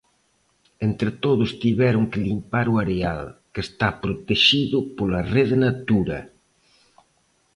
Entre todos tiveron que limpar o areal, que está protexido pola rede Natura.